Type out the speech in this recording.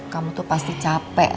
kamu tuh pasti capek